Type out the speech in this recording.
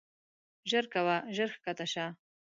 ژر کوه ژر کښته شه.